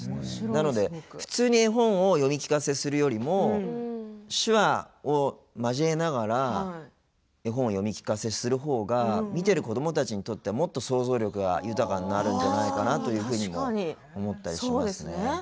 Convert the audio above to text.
なので、普通に絵本を読み聞かせするよりも手話を交えながら絵本を読み聞かせする方が見てる子どもたちにとってはもっと想像力が豊かになるんじゃないかなというふうにも思ったりしますね。